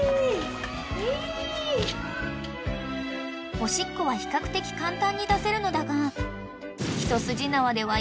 ［おしっこは比較的簡単に出せるのだが］